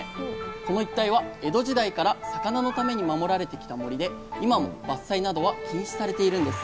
この一帯は江戸時代から魚のために守られてきた森で今も伐採などは禁止されているんです。